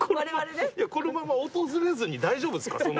このまま訪れずに大丈夫ですか？